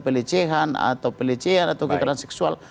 pelecehan atau pelecehan atau kekerasan seksual